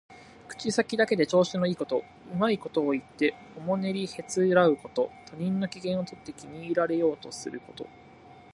口先だけで調子のいいこと、うまいことを言っておもねりへつらうこと。他人の機嫌をとって気に入られようとすること。